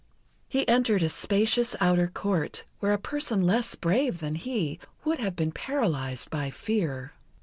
He entered a spacious outer court, where a person less brave than he would have been paralyzed by fear.